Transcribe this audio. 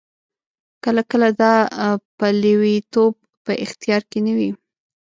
کله کله دا پلویتوب په اختیار کې نه وي.